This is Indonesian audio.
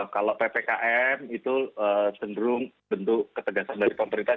kalau ppkm itu cenderung bentuk ketegasan dari pemerintah